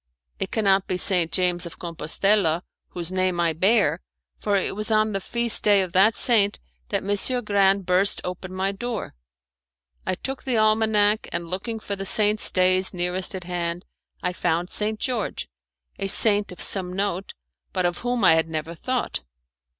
"It cannot be St. James of Compostella, whose name I bear, for it was on the feast day of that saint that Messer Grande burst open my door." I took the almanac and looking for the saints' days nearest at hand I found St. George a saint of some note, but of whom I had never thought.